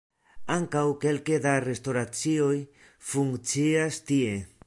Ankaŭ kelke da restoracioj funkcias tie.